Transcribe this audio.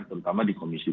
terutama di komisi dua